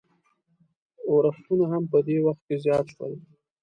اورښتونه هم په دې وخت کې زیات شول.